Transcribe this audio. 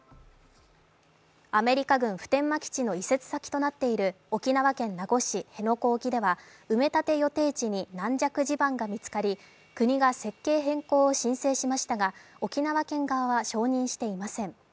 アメリカ軍普天間基地の移設先となっている沖縄県名護市辺野古沖では埋め立て予定地に軟弱地盤が見つかり国が設計変更を申請しましたが沖縄県側は承認していません。